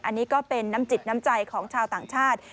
อันนี้ก็เป็นน้ำจิตน้ำใจของชาวต่างชาติ